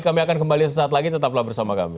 kami akan kembali sesaat lagi tetaplah bersama kami